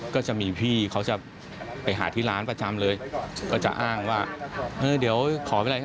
ก็จะมีพี่เขาจะไปหาที่ร้านประจำเลยก็จะอ้างว่าเออเดี๋ยวขอเวลา